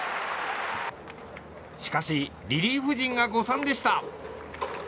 しかし、リリーフ陣が誤算でした。